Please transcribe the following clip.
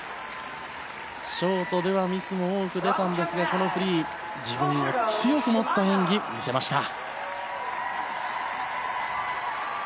ショートではミスも多く出たんですがこのフリー、自分を強く持った演技を見せました。